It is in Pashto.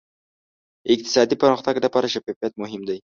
اقتصادي پرمختګ لپاره شفافیت مهم دی.